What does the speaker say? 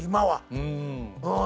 うん。